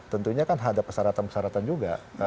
tentunya kan ada persyaratan persyaratan juga